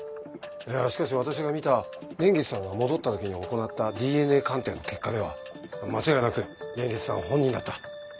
いやしかし私が見た蓮月さんが戻った時に行ったＤＮＡ鑑定の結果では間違いなく蓮月さん本人だった。